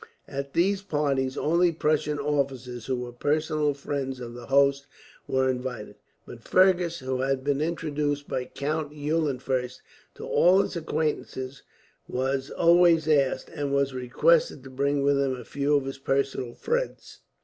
At these parties, only Prussian officers who were personal friends of the host were invited; but Fergus, who had been introduced by Count Eulenfurst to all his acquaintances, was always asked, and was requested to bring with him a few of his personal friends.